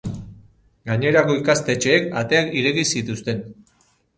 Gainerako ikastetxeek ateak ireki zituzten.